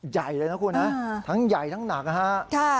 ใหญ่เลยนะคุณนะทั้งใหญ่ทั้งหนักนะฮะ